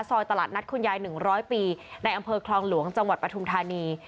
ซอยตลาดนัดคุณยาย๑๐๐ปีในอำเภอคลองหลวงจังหวัดปฐุมธานี